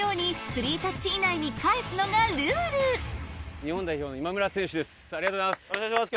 日本代表の今村選手です。